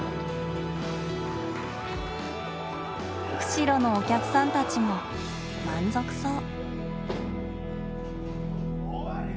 釧路のお客さんたちも満足そう。